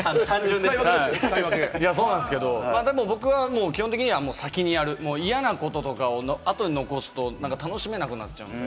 僕は基本的に先にやる、嫌なこととかを後に残すと楽しめなくなっちゃうので。